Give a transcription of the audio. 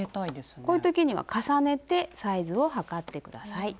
こういう時には重ねてサイズを測って下さい。